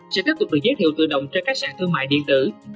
sẽ tiếp tục được giới thiệu tự động trên các sản thương mại điện tử